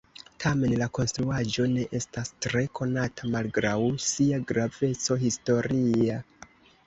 Tamen la konstruaĵo ne estas tre konata malgraŭ sia graveco historia.